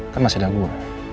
kan masih ada gue